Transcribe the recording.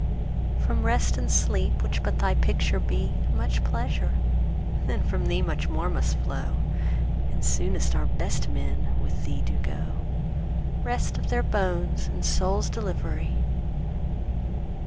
From Rest and Sleep, which but thy picture be, 5 Much pleasure, then from thee much more must flow; And soonest our best men with thee do go— Rest of their bones and souls' delivery!